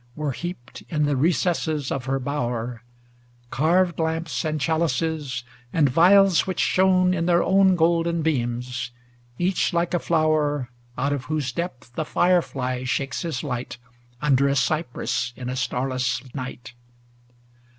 Were heaped in the recesses of her bower; Carved lamps and chalices, and vials which shone In their own golden beams ŌĆö each like a flower Out of whose depth a fire fly shakes his light Under a cypress in a starless night.